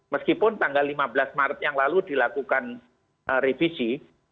meskipun tanggal lima belas maret yang lalu dilakukan revisi